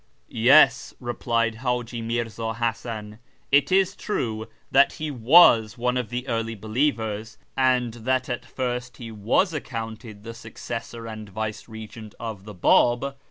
" Yes," replied Ht'iji Mirza Hasan, " it is true that he was one of the early believers, and that at first he was accounted the successor and vicegerent of the Bab.